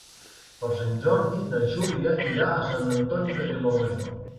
Per Sant Jordi na Júlia irà a Sant Antoni de Vilamajor.